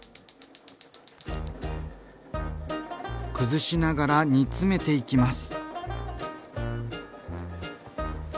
崩しながら煮詰めていきます。